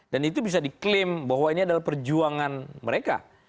dan itu bisa diklaim bahwa ini adalah perjuangan mereka